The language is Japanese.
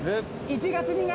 １月２月。